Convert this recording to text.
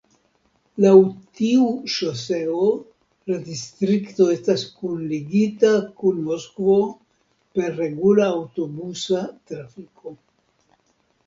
Laŭ tiu ŝoseo la distrikto estas kunligita kun Moskvo per regula aŭtobusa trafiko.